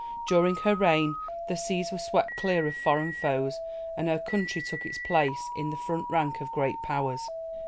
During her reign the seas were swept clear of foreign foes, and her country took its place in the front rank of Great Powers.